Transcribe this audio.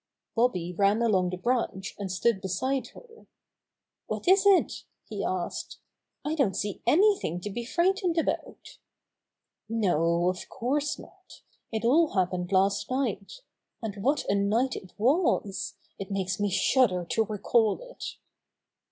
Bobby ran along the branch and stood be side her. "What it is?" he asked. "I don't see anything to be frightened about" "No, of course not. It all happened last night. And what a night it was! It makes me shudder to recall it."